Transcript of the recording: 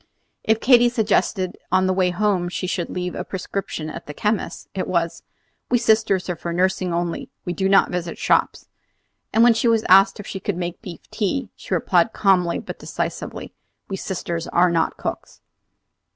If Katy suggested that on the way home she should leave a prescription at the chemist's, it was: "We sisters are for nursing only; we do not visit shops." And when she was asked if she could make beef tea, she replied calmly but decisively, "We sisters are not cooks."